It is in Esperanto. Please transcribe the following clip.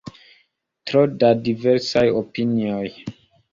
Tro da diversaj opinioj.